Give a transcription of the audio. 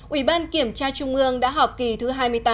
ủy ban kiểm tra trung ương đã họp kỳ thứ hai mươi tám